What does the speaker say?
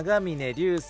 流星